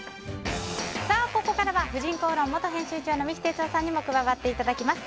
ここからは「婦人公論」元編集長の三木哲男さんにも加わっていただきます。